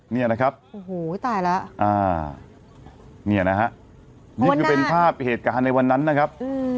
เนี่ยนะครับเนี่ยนะครับนี่คือเป็นภาพเหตุการณ์ในวันนั้นนะครับ